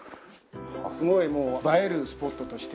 すごい映えるスポットとして。